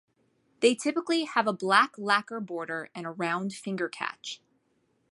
They typically have a black lacquer border and a round finger catch.